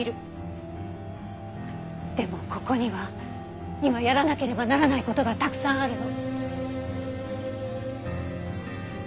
でもここには今やらなければならない事がたくさんあるの。